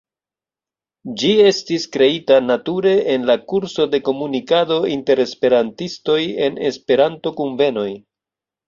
Ĝi estis kreita nature en la kurso de komunikado inter Esperantistoj en Esperanto-kunvenoj.